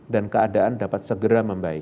dan keadaan dapat segera membaik